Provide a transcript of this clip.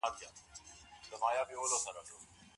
د ناسمو مشورو په نتيجه کي د هغوی ژوند تنګ او تريخ سي.